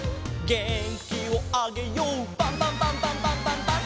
「げんきをあげようパンパンパンパンパンパンパン！！」